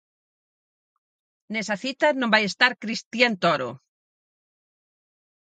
Nesa cita non vai estar Cristian Toro.